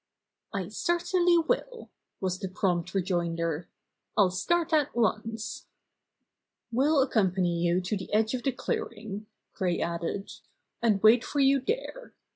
"I certainly will," was the prompt re joinder. "I'll start at once." "We'll accompany you to the edge of the clearing," Gray added, "and wait for you there.